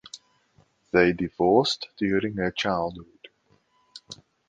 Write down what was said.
They divorced during her childhood.